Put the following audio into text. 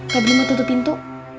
pebri mau tutup pintu